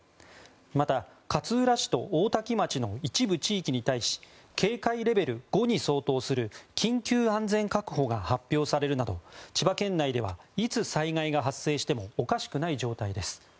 また勝浦市と大多喜町の一部地域に対し警戒レベル５に相当する緊急安全確保が発表されるなど千葉県内ではいつ災害が発生してもおかしくない状態です。